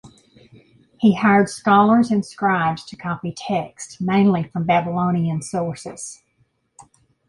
He hired scholars and scribes to copy texts, mainly from Babylonian sources.